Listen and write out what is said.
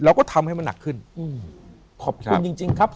เราก็ทำให้มันหนักขึ้นอืมขอบคุณจริงจริงครับ